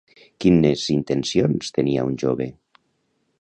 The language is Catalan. Quines intencions tenia un jove?